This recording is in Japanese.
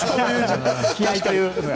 気合という。